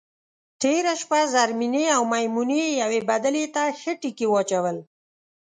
تېره شپه زرمېنې او میمونې یوې بدلې ته ښه ټکي واچول.